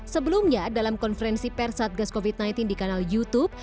sebelumnya dalam konferensi pers satgas covid sembilan belas di kanal youtube